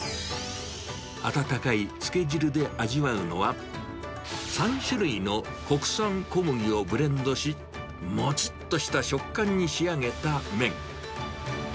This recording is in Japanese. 温かいつけ汁で味わうのは、３種類の国産小麦をブレンドし、もちっとした食感に仕上げた麺。